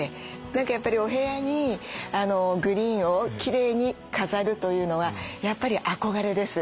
何かやっぱりお部屋にグリーンをきれいに飾るというのはやっぱり憧れです。